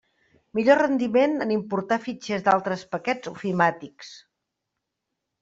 Millor rendiment en importar fitxers d'altres paquets ofimàtics.